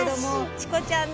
チコちゃん